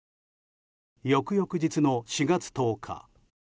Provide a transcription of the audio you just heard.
翌々日の４月１０日。